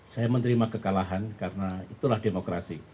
saya menerima kekalahan karena itulah demokrasi